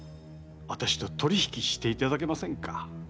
私と取り引きしていただけませんか。